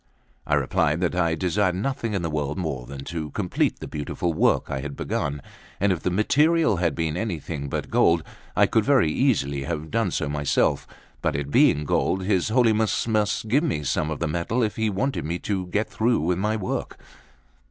I replied that I desired nothing in the world more than to complete the beautiful work I had begun: and if the material had been anything but gold, I could very easily have done so myself; but it being gold, his Holiness must give me some of the metal if he wanted me to get through with my work.